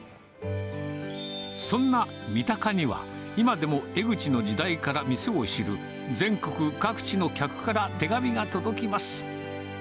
そんなみたかには、今でも江ぐちの時代から店を知る、全国各地の客から手紙が届きます。